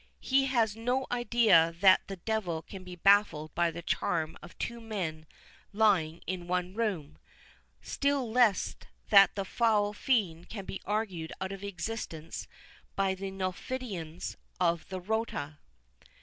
He has no idea that the Devil can be baffled by the charm of two men lying in one room, still less that the foul fiend can be argued out of existence by the Nullifidians of the Rota."